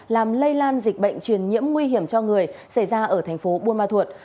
làm lây lan dịch bệnh truyền nhiễm nguy hiểm cho người xảy ra ở thành phố buôn ma thuột